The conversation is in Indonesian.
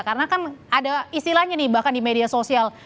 karena kan ada istilahnya nih bahkan di media sosial